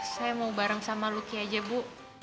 saya mau bareng sama luki aja bu